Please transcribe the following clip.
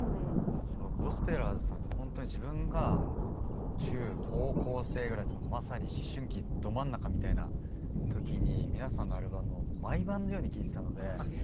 ゴスペラーズさんって自分が中・高校生ぐらいまさに思春期ど真ん中みたいな時に皆さんのアルバムを毎晩のように聴いてたので。